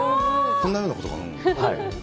こんなようなことが。